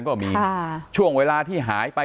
ก็มีช่วงเวลาที่หายไป